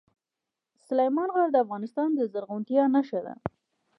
سلیمان غر د افغانستان د زرغونتیا نښه ده.